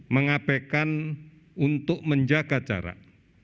mengabaikan untuk menjaga jarak